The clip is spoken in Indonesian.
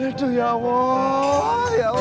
ya tuh ya allah ya allah